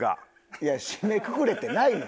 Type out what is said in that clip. いや締めくくれてないの。